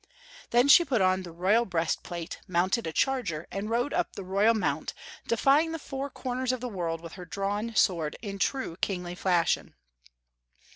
Then she put on the royal breast plate, mounted a charger, and rode up the royal moimt, defying the four corners of the world with her drawn sword in true kingly fashion.